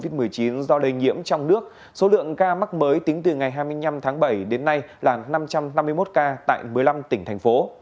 từ ngày hai mươi năm tháng bảy đến nay số lượng ca mắc mới tính từ ngày hai mươi năm tháng bảy đến nay là năm trăm năm mươi một ca tại một mươi năm tỉnh thành phố